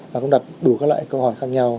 và cũng đặt đủ các loại câu hỏi khác nhau